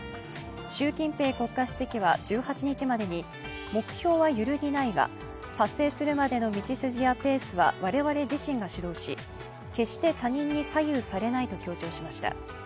習近平国家主席は１８日までに目標は揺るぎないが達成するまでの道筋やペースは我々自身が主導し、決して他人に左右されないと強調しました。